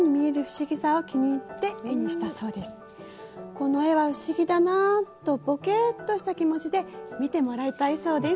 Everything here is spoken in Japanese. この絵は不思議だなぁとぼけっとした気持ちで見てもらいたいそうです。